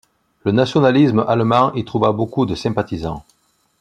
Le nationalisme allemand y trouva beaucoup de sympathisants.